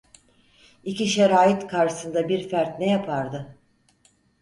İki şerait karşısında bir fert ne yapardı?